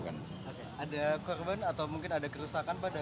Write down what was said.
ada korban atau mungkin ada kerusakan pak